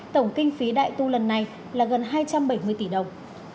tổng kinh phí đại tu lần này là gần hai trăm bảy mươi tỷ đồng